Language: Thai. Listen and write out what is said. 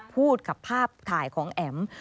พูดกับภาพถ่ายของแอ๋ม